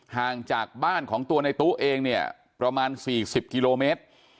ห่างจากบ้านของตัวในตู้เองเนี่ยประมาณ๔๐กิโลเมตร